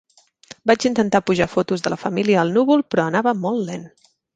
Vaig intentar pujar fotos de la família al núvol, però anava molt lent.